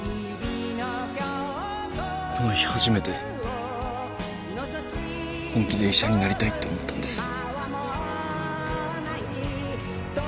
この日初めて本気で医者になりたいって思ったんです。